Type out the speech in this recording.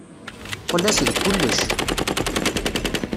Teqqel-as d kullec.